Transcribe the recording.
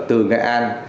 từ nghệ an